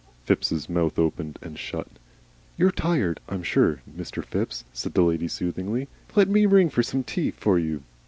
Phipps' mouth opened and shut. "You're tired, I'm sure, Mr. Phipps," said the lady, soothingly. "Let me ring for some tea for you."